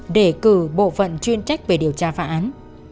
để cử bộ phận chuyên trách về điều tra phá án